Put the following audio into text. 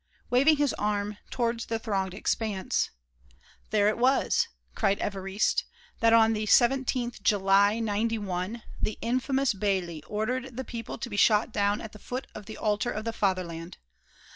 Waving his arm towards the thronged expanse: "There it was," cried Évariste, "that on the 17th July, '91, the infamous Bailly ordered the people to be shot down at the foot of the altar of the fatherland.